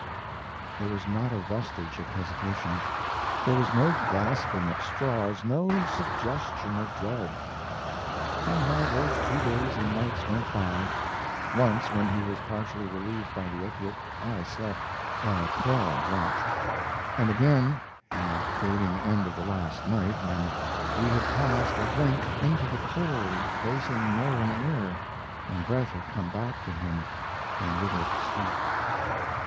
There was not a vestige of hesitation; there was no grasping at straws, no suggestion of dread. Somehow those two days and nights went by. Once, when he was partially relieved by the opiate, I slept, while Claude watched; and again, in the fading end of the last night, when we had passed at length into the cold, bracing northern air, and breath had come back to him, and with it sleep.